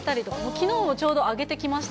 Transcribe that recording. きのうもちょうどあげてきました。